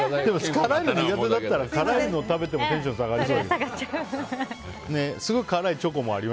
辛い物苦手だったら辛い物を食べてもテンション下がりそう。